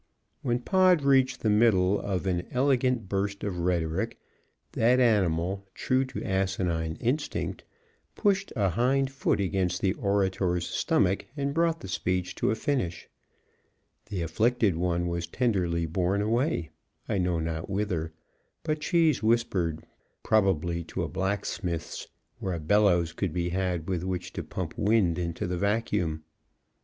When Pod reached the middle of an elegant burst of rhetoric, that animal, true to asinine instinct, pushed a hind foot against the orator's stomach and brought the speech to a finish. The afflicted one was tenderly borne away, I know not whither, but Cheese whispered probably to a blacksmith's where a bellows could be had with which to pump wind into the vacuum.